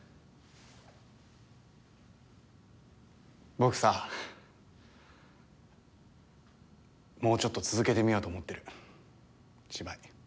僕さもうちょっと続けてみようと思ってる芝居。